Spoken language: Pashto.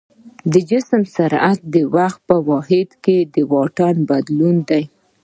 د جسم سرعت د وخت په واحد کې د واټن بدلون دی.